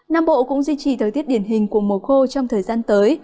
nam bộ cũng duy trì thời tiết điển hình của mùa khô trong thời gian tới